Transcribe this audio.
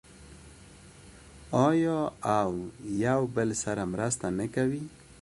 آیا او یو بل سره مرسته نه کوي؟